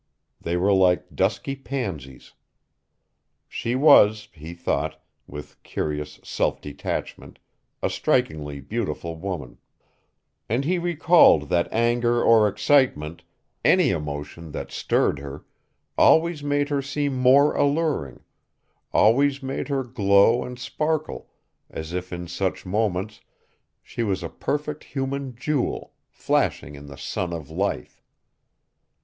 They were like dusky pansies. She was, he thought, with curious self detachment, a strikingly beautiful woman. And he recalled that anger or excitement, any emotion that stirred her, always made her seem more alluring, always made her glow and sparkle as if in such moments she was a perfect human jewel, flashing in the sun of life.